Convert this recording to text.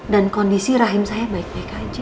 dan kondisi rahim saya baik baik aja